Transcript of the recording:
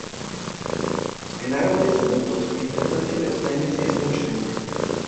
En árboles adultos la importancia de los daños es mucho menor.